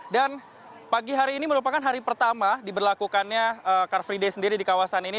dan pagi hari ini merupakan hari pertama diberlakukannya car free day sendiri di kawasan ini